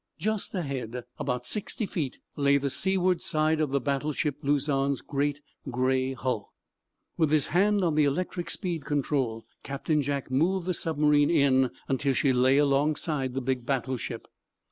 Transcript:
Just ahead, about sixty feet, lay the seaward side of the battleship "Luzon's" great gray hull. With his hand on the electric speed control Captain Jack moved the submarine in until she lay alongside the big battleship.